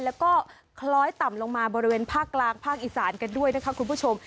แล้วก็คล้อยต่ำลงมาบริเวณภาคกลางภาคอีสานกันด้วยนะคะคุณผู้ชม